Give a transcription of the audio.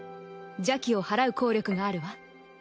邪気を払う効力があるわ。